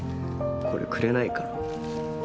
これくれないかなぁ。